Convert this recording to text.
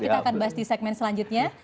kita akan bahas di segmen selanjutnya